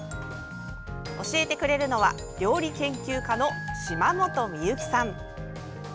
教えてくれるのは料理研究家の島本美由紀さん。